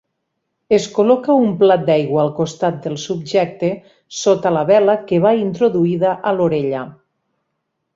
Es col·loca un plat d'aigua al costat del subjecte sota la vela que va introduïda a l'orella.